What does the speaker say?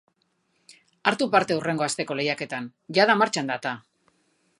Hartu partehurrengo asteko lehiaketan, jada martxan da eta!